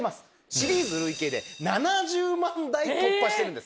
シリーズ累計で７０万台突破してるんですね。